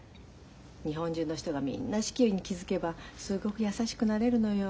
日本中の人がみんな四季に気付けばすっごく優しくなれるのよ。